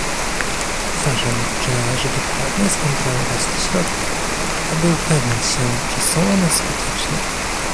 Uważam, że należy dokładnie skontrolować te środki, aby upewnić się, czy są one skuteczne